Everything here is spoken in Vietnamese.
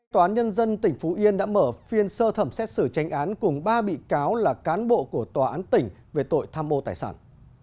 tòa án nhân dân tỉnh phú yên đã mở phiên sơ thẩm xét xử tranh án cùng ba bị cáo là cán bộ của tòa án tỉnh về tội tham mô tài sản